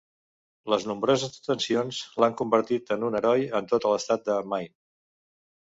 Les nombroses distincions l'han convertit en un heroi en tot l'estat de Maine.